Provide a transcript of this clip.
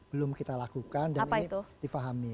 belum kita lakukan dan ini difahami